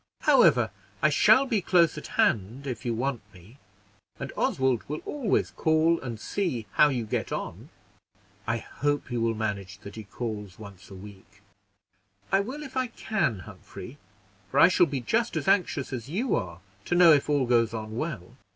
However, I shall be close at hand if you want me, and Oswald will always call and see how you get on." "I hope you will manage that he calls once a week." "I will if I can, Humphrey, for I shall be just as anxious as you are to know if all goes on well.